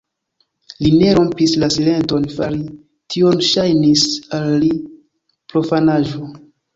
Li ne rompis la silenton; fari tion ŝajnis al li profanaĵo.